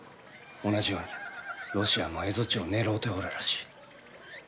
同じようにロシアも蝦夷地を狙うておるらしい。